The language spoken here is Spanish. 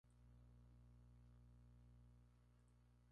En cuanto a la nutrición, recibían una parte menor.